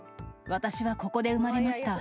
私はここで産まれました。